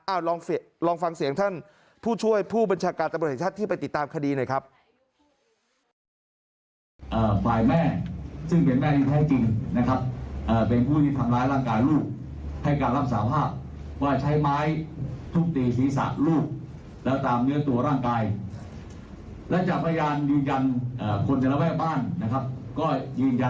อ้าวลองฟังเสียงท่านผู้ช่วยผู้บัญชาการจับประเทศชัตริย์